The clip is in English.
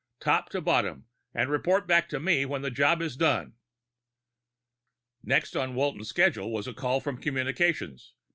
Top to bottom, and report back to me when the job is done." Next on Walton's schedule was a call from communications.